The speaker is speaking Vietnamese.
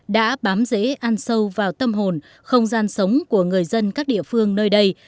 đã bám dễ ăn sâu vào tâm hồn không gian sống của người dân các địa phương nơi đây